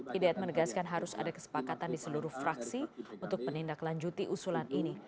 hidayat menegaskan harus ada kesepakatan di seluruh fraksi untuk menindaklanjuti usulan ini